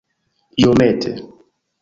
iomete